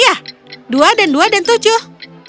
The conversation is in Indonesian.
iya dua dan dua dan tujuh